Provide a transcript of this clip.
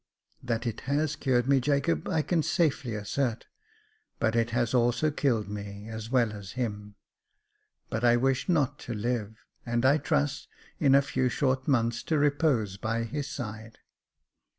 " That it has cured me, Jacob, I can safely assert j but it has also killed me as well as him. But I wish not to live : and I trust, in a few short months, to repose by his side."